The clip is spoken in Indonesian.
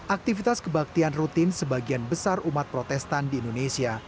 aktivitas kebaktian rutin sebagian besar umat protestan di indonesia